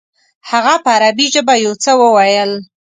هغه په عربي ژبه یو څه وویل.